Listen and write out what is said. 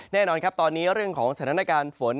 ตอนนี้เรื่องของสถานการณ์ฝน